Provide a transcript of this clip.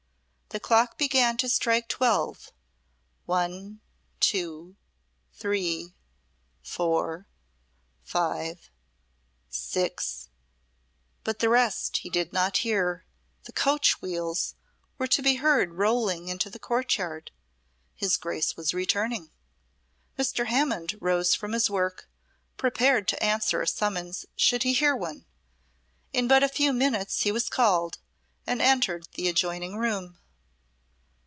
The clock began to strike twelve. One two three four five six But the rest he did not hear. The coach wheels were to be heard rolling into the courtyard. His Grace was returning. Mr. Hammond rose from his work, prepared to answer a summons should he hear one. In but a few minutes he was called and entered the adjoining room.